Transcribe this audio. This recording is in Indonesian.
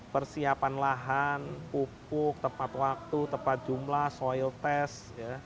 persiapan lahan pupuk tepat waktu tepat jumlah soil test